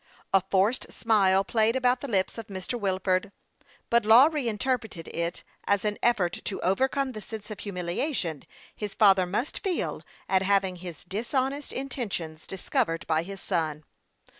A forced smile played about the lip of Mr. Wilford ; but Lawry interpreted it as an effort to overcome the sense of humiliation his father must feel at having his dishonest intentions discov ered by his son.